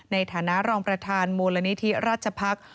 ในฐานะรองประธานมูลนิธิราชพักษ์